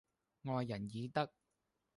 愛人以德